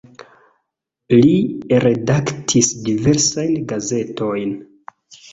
Li redaktis diversajn gazetojn.